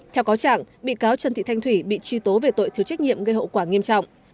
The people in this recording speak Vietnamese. theo cáo trạng bị cáo trần thị thanh thủy bị truy tố về tội thiếu trách nhiệm gây hậu quả nghiêm trọng